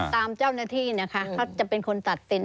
ตามเจ้าหน้าที่นะคะเขาจะเป็นคนตัดสิน